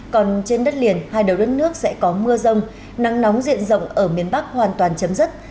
còn trên đất liền hai đầu đất nước sẽ có mưa rông nắng nóng diện rộng ở miền bắc hoàn toàn chấm dứt